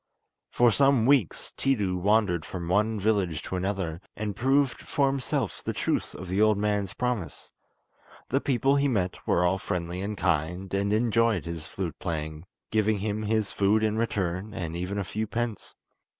For some weeks Tiidu wandered from one village to another, and proved for himself the truth of the old man's promise. The people he met were all friendly and kind, and enjoyed his flute playing, giving him his food in return, and even a few pence.